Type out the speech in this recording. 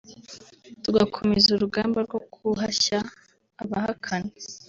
tugakomeza urugamba rwo guhashya abahakana